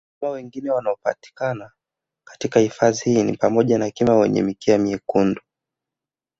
Wanyama wengine wanaopatikana katika hifadhi hii ni pamoja na Kima wenye mikia myekundu